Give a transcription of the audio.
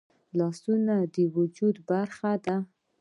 لاسونه د وجود برخه ده